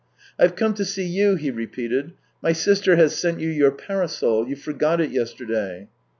" I've come to see you ..." he repeated. " My sister has sent you your parasol; you forgot it yesterday."